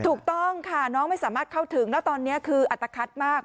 ถูกต้องค่ะน้องไม่สามารถเข้าถึงแล้วตอนนี้คืออัตภัทมาก